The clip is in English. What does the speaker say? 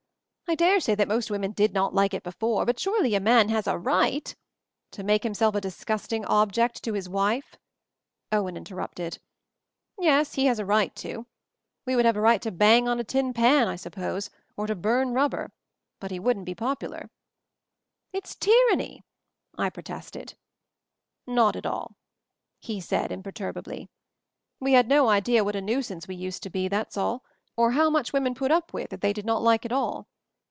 I dare say that most women did not like it before, but surely a man has a right " "To make himself a disgusting object to his wife," Owen interrupted. "Yes, he has a MOVING THE MOUNTAIN 121 'right' to. We would have a right to bang on a tin pan, I suppose — or to burn rubber, but he wouldn't be popular 1" It's tyranny!" I protested. 'Not at all," he said, imperturbably. "We had no idea what a nuisance we used to be, that's all ; or how much women put up with that they did not like at all.